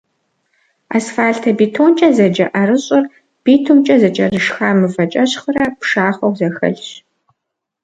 Асфальтобетонкӏэ зэджэ ӏэрыщӏыр битумкӏэ зэкӏэрышха мывэкӏэщхърэ пшахъуэу зэхэлъщ.